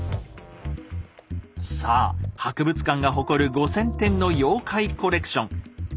さあ博物館が誇る５，０００点の妖怪コレクション。